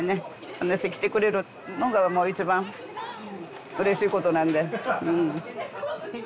こんなして来てくれるのが一番うれしいことなんでうん。